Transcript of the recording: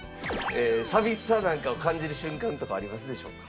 寂しさなんかを感じる瞬間とかありますでしょうか？